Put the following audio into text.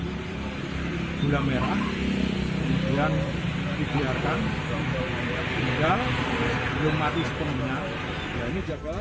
api ini sudah mati sepengenal